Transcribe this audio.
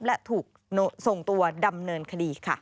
และถูกส่งตัวดำเนินคดีค่ะ